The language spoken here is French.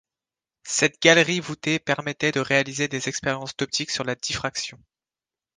Cette galerie voutée permettait de réaliser des expériences d'optique sur la diffraction.